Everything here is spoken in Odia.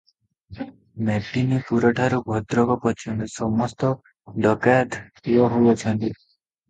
ମେଦିନିପୁରଠାରୁ ଭଦ୍ରକ ପର୍ଯ୍ୟନ୍ତ ସମସ୍ତ ଡକାଏତ ଠୁଳ ହୋଇଅଛନ୍ତି ।